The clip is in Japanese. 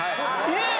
えっ！